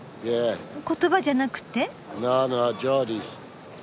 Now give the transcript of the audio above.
言葉じゃなくて？